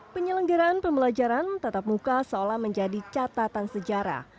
penyelenggaraan pembelajaran tatap muka seolah menjadi catatan sejarah